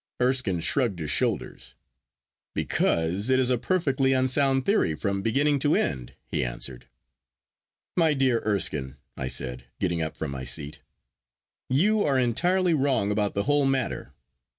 Erskine shrugged his shoulders. 'Because it is a perfectly unsound theory from beginning to end,' he answered. 'My dear Erskine,' I said, getting up from my seat, 'you are entirely wrong about the whole matter.